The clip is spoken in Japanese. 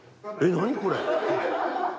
何これ？